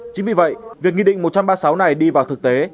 chính vì vậy việc nghị định một trăm ba mươi sáu này đi vào thực tế